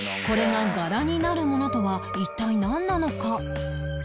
これが柄になるものとは一体なんなのか？